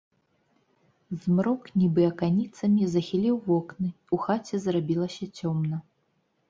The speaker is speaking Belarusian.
Змрок, нібы аканіцамі, захіліў вокны, у хаце зрабілася цёмна.